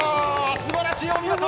すばらしい、お見事。